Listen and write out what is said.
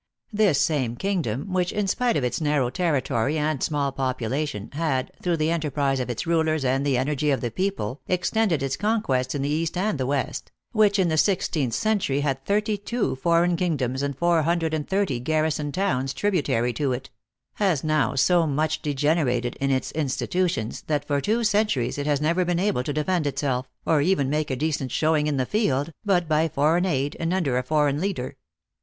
"This same kingdom, which, in spite of its narrow territory and small population, had, through the enterprise of its rulers and the energy of the people, extended its con quests in the East and the West ; which, in the six teenth century had thirty two foreign kingdoms and four hundred and thirty garrisoned towns tributary to it has now so much degenerated in its institutions, that for two centuries it has never been able to defend itself, or even make a decent showing in the field, but by foreign aid and under a foreign leader.